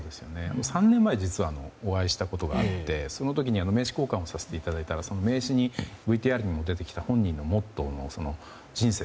３年前実はお会いしたことがあってその時に名刺交換をさせていただいたら、その名刺にＶＴＲにも出てきた本人のモットーの人生